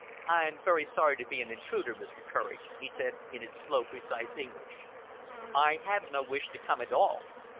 "I am very sorry to be an intruder, Mr. Courage," he said in his slow, precise English. "I had no wish to come at all.